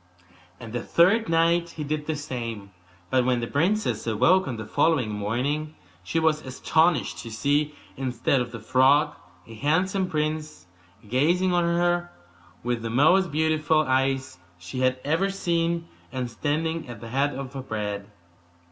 And the third night he did the same. But when the princess awoke on the following morning she was astonished to see, instead of the frog, a handsome prince, gazing on her with the most beautiful eyes she had ever seen, and standing at the head of her bed.